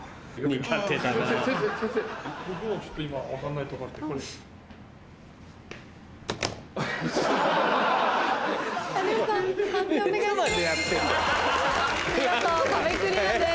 見事壁クリアです。